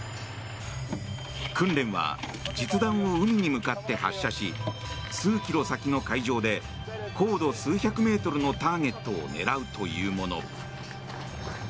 訓練は実弾を海に向かって発射し数キロ先の海上で高度数百メートルのターゲットを狙うというもの。